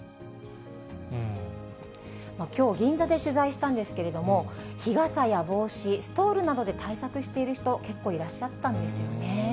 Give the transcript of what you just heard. きょう、銀座で取材したんですけれども、日傘や帽子、ストールなどで対策している人、結構いらっしゃったんですよね。